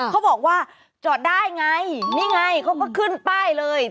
เขาบอกว่าจอดได้ไงนี่ไงเขาก็ขึ้นป้ายเลย